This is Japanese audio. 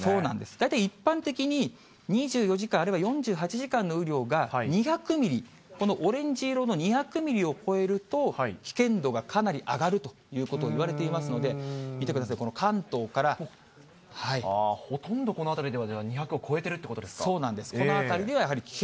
大体一般的に２４時間、あるいは４８時間の雨量が２００ミリ、このオレンジ色の２００ミリを超えると、危険度がかなり上がるということいわれていますので、見てくださほとんどこの辺りでは、２００を超えているということですか。